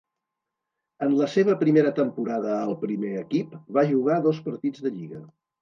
En la seva primera temporada al primer equip va jugar dos partits de lliga.